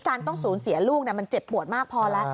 ต้องสูญเสียลูกมันเจ็บปวดมากพอแล้ว